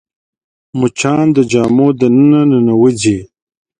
مچان د جامو دننه ننوځي